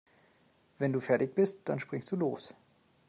Wenn du fertig bist, dann springst du los.